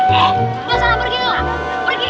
jalan jalan pergi yuk pergi